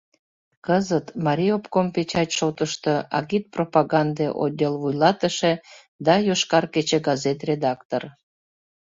Кызыт — Марий обком печать шотышто агитпропаганде отдел вуйлатыше да «Йошкар кече» газет редактор.